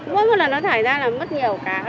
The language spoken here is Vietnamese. mỗi lần nó thải ra là mất nhiều cá